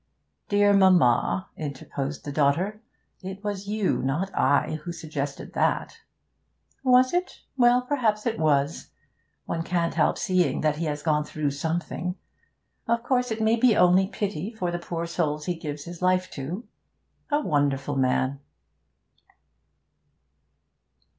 'Dear mamma,' interposed the daughter, 'it was you, not I, who suggested that.' 'Was it? Well, perhaps it was. One can't help seeing that he has gone through something. Of course it may be only pity for the poor souls he gives his life to. A wonderful man!'